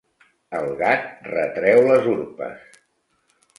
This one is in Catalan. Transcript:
El gat retreu les urpes.